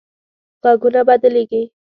غږونه بدلېږي